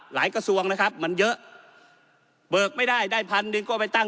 กระทรวงนะครับมันเยอะเบิกไม่ได้ได้พันหนึ่งก็ไปตั้ง